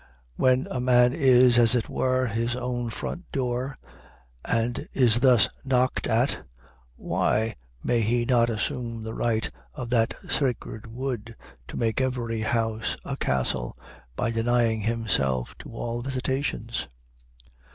When a man is, as it were, his own front door, and is thus knocked at, why may he not assume the right of that sacred wood to make every house a castle, by denying himself to all visitations?